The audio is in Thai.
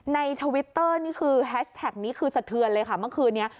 ทวิตเตอร์นี่คือแฮชแท็กนี้คือสะเทือนเลยค่ะเมื่อคืนนี้